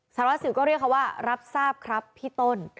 สารวัฒน์ศิลป์ก็เรียกคำว่ารับทราบครับพี่ต้น